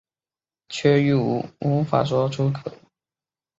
却又无法说出口